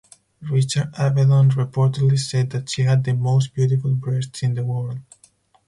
Richard Avedon reportedly said that she had "the most beautiful breasts in the world".